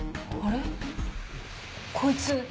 あれ？こいつ。